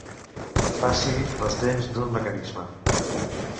Faci les dents d'un mecanisme.